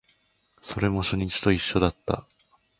それも初日と一緒だった